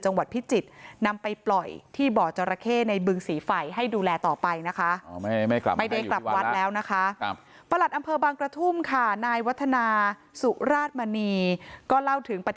จังหวัดพิจิตรนำไปปล่อยที่เบาะจราเข้